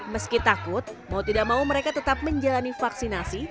meski takut mau tidak mau mereka tetap menjalani vaksinasi